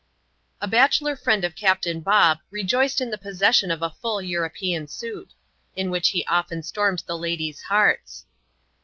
A bachelor friend of Captain Bob rejoiced in the possession^ of a full European suit ; in which he often stormed the ladies' hearts.